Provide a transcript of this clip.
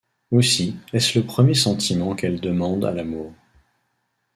Aussi est-ce le premier sentiment qu’elles demandent à l’amour.